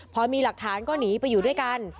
พอมีหลักฐานก็หนีไปอยู่ด้วยกัน